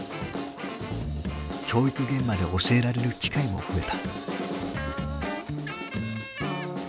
教育現場で教えられる機会も増えた。